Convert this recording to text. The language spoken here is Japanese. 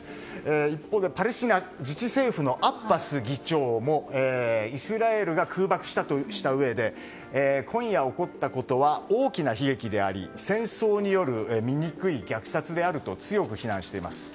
一方、パレスチナ自治政府のアッバス議長も、イスラエルが空爆したとしたうえで今夜起こったことは大きな悲劇であり戦争による醜い虐殺であると強く非難しています。